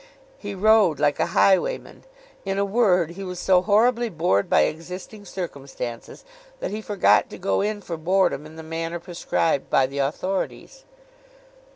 He rode like a highwayman. In a word, he was so horribly bored by existing circumstances, that he forgot to go in for boredom in the manner prescribed by the authorities.